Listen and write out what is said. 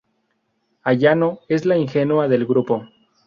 Ayano es la ingenua del grupo.